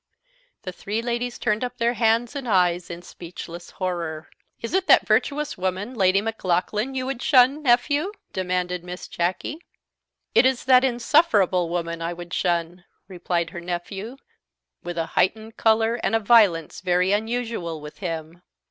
The three ladies turned up their hands and eyes in speechless horror. "Is it that virtuous woman Lady Maclaughlan you would shun, nephew?" demanded Miss Jacky. "It is that insufferable woman I would shun," replied her nephew, with a heightened colour and a violence very unusual with him.